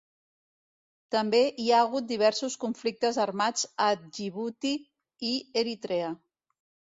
També hi ha hagut diversos conflictes armats a Djibouti i Eritrea.